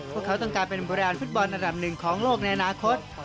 พวกเขาต้องการเป็นแบรนด์ฟุตบอลอันดับหนึ่งของโลกในอนาคต